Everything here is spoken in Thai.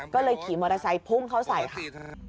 ก็เลยขี่มอเตอร์ไซค์พุ่งเข้าใส่ค่ะ